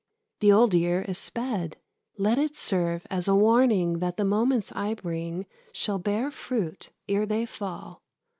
The old year is sped, let it serve as a warning That the moments I bring shall bear fruit ere they fall.